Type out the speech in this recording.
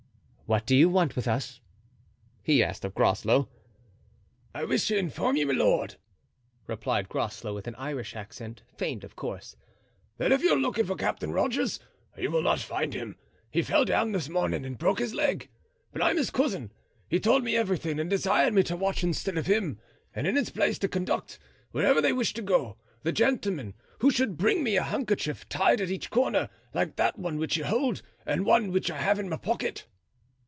"What do you want with us?" he asked of Groslow. "I wish to inform you, my lord," replied Groslow, with an Irish accent, feigned of course, "that if you are looking for Captain Rogers you will not find him. He fell down this morning and broke his leg. But I'm his cousin; he told me everything and desired me to watch instead of him, and in his place to conduct, wherever they wished to go, the gentlemen who should bring me a handkerchief tied at each corner, like that one which you hold and one which I have in my pocket."